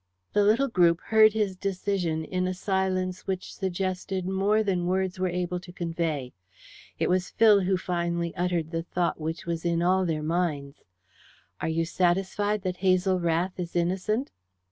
The little group heard his decision in a silence which suggested more than words were able to convey. It was Phil who finally uttered the thought which was in all their minds: "Are you satisfied that Hazel Rath is innocent?"